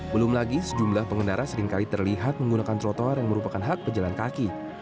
belum lagi sejumlah pengendara seringkali terlihat menggunakan trotoar yang merupakan hak pejalan kaki